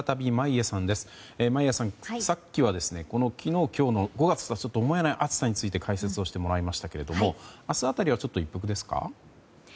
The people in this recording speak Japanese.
眞家さん、さっきは昨日今日の５月とは思えない暑さについて解説してもらいましたけどもその辺りは少し一服ですか？